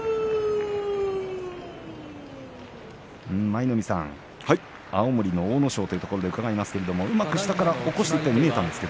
舞の海さん、青森の阿武咲ということで伺いますが、うまく下から起こしていったように見えたんですが。